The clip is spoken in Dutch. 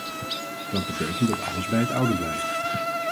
Dat betekent dat alles bij het oude blijft.